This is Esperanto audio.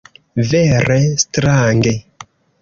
Vere strange!